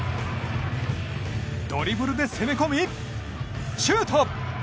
ドリブルで攻め込み、シュート！